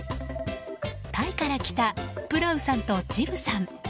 タイから来たプラウさんとジブさん。